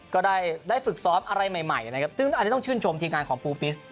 ก็ได้ฝึกซ้อมอะไรใหม่นะครับซึ่งอันนี้ต้องชื่นชมทีมงานของปูปิส